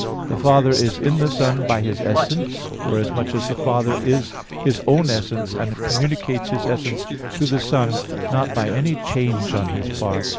The Father is in the Son by His essence, forasmuch as the Father is His own essence and communicates His essence to the Son not by any change on His part.